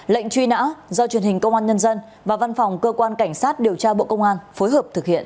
lệnh truy nã do truyền hình công an nhân dân và văn phòng cơ quan cảnh sát điều tra bộ công an phối hợp thực hiện